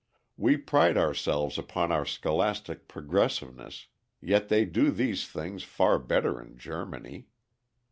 We pride ourselves upon our scholastic progressiveness, yet they do these things far better in Germany.